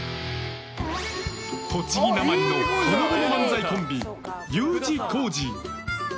栃木なまりのほのぼの漫才コンビＵ字工事！